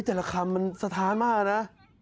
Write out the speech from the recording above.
โอ้โฮเฮ้ยแต่ละคำมันสะท้านมากนะ